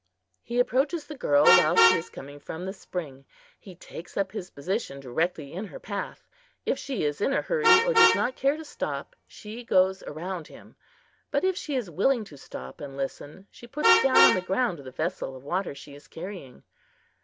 He approaches the girl while she is coming from the spring. He takes up his position directly in her path. If she is in a hurry or does not care to stop, she goes around him; but if she is willing to stop and listen she puts down on the ground the vessel of water she is carrying.